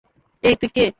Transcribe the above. এই তু্ই কে?